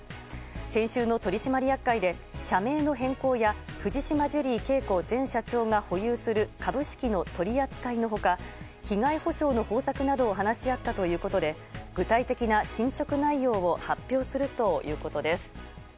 先週の取締役会で社名の変更や藤島ジュリー景子前社長が保有する株式の取り扱いの他被害補償の方策などを話し合ったということで具体的な進捗内容を発表するということです。